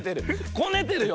こねてるよ。